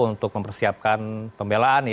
untuk mempersiapkan pembelaan